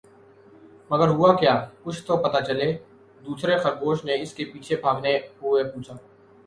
مگر ہوا کیا؟ کچھ تو پتا چلے!“دوسرے خرگوش نے اس کے پیچھے بھاگتے ہوئے پوچھا۔